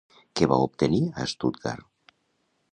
Què va obtenir a Stuttgart?